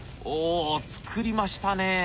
おお作りましたね。